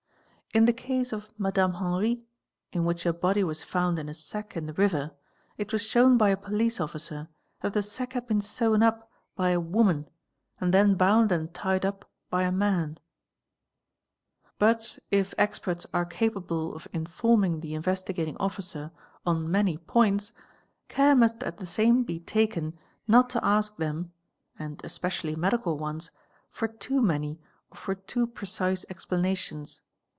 'the case of " Madame Henri" in which a body was found in a sack 'the river, it was shown by a police officer that the sack had been wn up by a woman and then bound and tied up by a man®™. _ But if experts are capable of informing the Investigating Officer on any points care must at the same be taken not to ask them (and ecially medical ones) for too many or for too precise explanations.